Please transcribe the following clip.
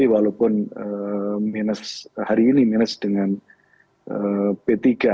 walaupun minus hari ini minus dengan p tiga